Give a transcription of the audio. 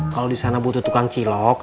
kalau di sana butuh tukang cilok